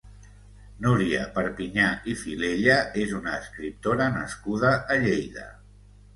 Núria Perpinyà i Filella és una escriptora nascuda a Lleida.